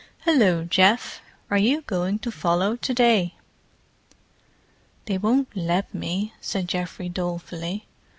"Hullo, Geoff. Are you going to follow to day?" "They won't let me," said Geoffrey dolefully.